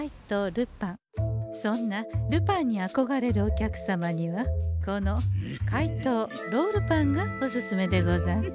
そんなルパンにあこがれるお客様にはこの「怪盗ロールパン」がおすすめでござんす。